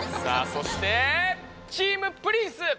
さあそしてチームプリンス！